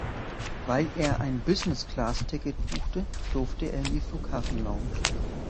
Weil er ein Business-Class-Ticket buchte, durfte er in die Flughafen-Lounge.